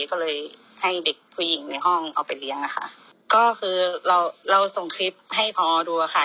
ก็เลยให้เด็กผู้หญิงในห้องเอาไปเลี้ยงอะค่ะก็คือเราเราส่งคลิปให้พอดูอะค่ะ